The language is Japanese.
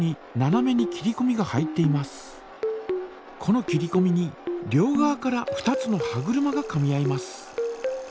この切りこみに両側から２つの歯車がかみ合います。